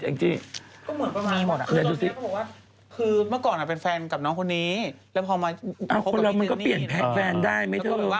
เอ้าคนแบบนี้มันก้เปลี่ยนแฟนได้ไหมนี่